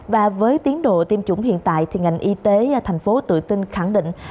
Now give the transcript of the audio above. với tiến độ tiêm chủng hiện tại ngành y tế thành phố tự tin khẳng định